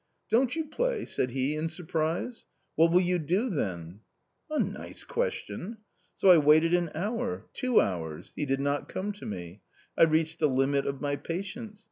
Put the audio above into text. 'Don't you play?' said he in surprise —' what will you do then ?' A nice question ! So I waited an hour, two hours ; he did not come to me ; I reached the limit of my patience.